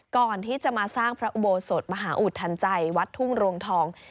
ก่อนที่จะมาสร้างพระอุโบสถมหาอุทธันใจวัดทุ่งรวงทอง